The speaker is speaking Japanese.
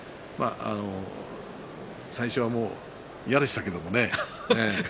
最初はもう、嫌でしたけれどもね。